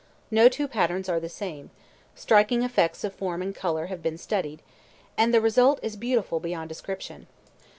No two patterns are the same, striking effects of form and color have been studied, and the result is beautiful beyond description.